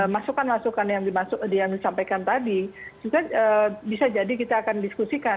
masukan masukan yang disampaikan tadi juga bisa jadi kita akan diskusikan